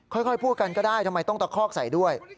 ค่อยพูดกันก็ได้ทำไมต้องตะคอกใส่ด้วย